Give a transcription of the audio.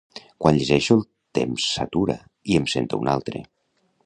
Quan llegeixo el temps s'atura i em sento un altre.